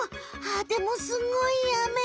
あでもすごいあめ。